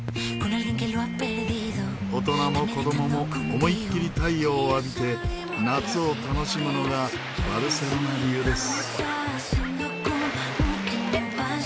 大人も子どもも思いっきり太陽を浴びて夏を楽しむのがバルセロナ流です。